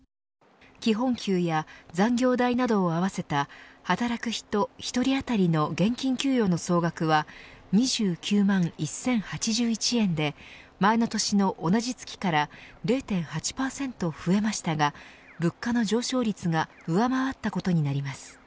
基本給や残業代などを合わせた働く人１人当たりの現金給与の総額は２９万１０８１円で前の年の同じ月から０．８％増えましたが物価の上昇率が上回ったことになります。